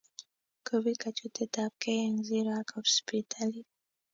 kobit kachutet ab kei eng zero ak hosiptalit